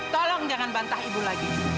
tolong jangan bantah ibu lagi